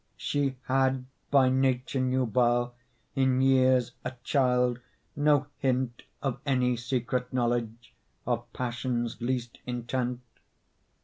She had, by nature nubile, In years a child, no hint Of any secret knowledge Of passion's least intent.